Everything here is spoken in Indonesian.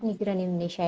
migran indonesia ya